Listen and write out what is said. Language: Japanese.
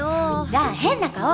じゃあ変な顔。